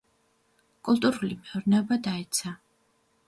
კულტურული მეურნეობა დაეცა.